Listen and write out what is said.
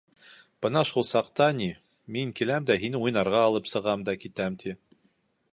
Бына шул саҡта, ни, мин киләм дә һине уйнарға алып сығам да китәм, ти.